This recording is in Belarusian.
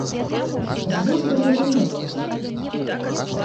З вёскай зразумела ўжо.